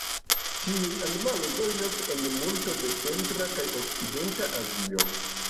Tiuj animaloj loĝas en multo de centra kaj okcidenta Azio.